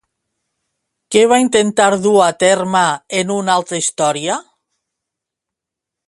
Què va intentar du a terme en una altra història?